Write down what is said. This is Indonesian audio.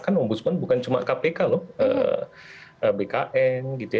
kan ombudsman bukan cuma kpk loh bkn gitu ya